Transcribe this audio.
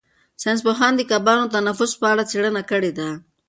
ساینس پوهانو د کبانو د تنفس په اړه څېړنه کړې ده.